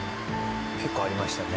結構ありましたね。